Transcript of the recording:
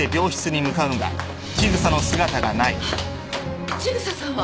ハァ千草さんは？